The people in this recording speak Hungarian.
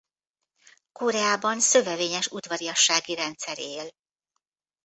Koreában szövevényes udvariassági rendszer él.